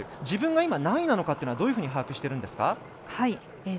自分が今、何位なのかというのはどういうふうに把握してるんですか。